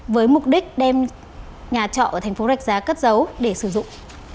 với mục đích đem nhà trọ ở tp rạch giá cất dấu để sử dụng